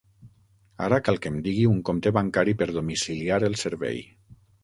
Ara cal que em digui un compte bancari per domiciliar el servei.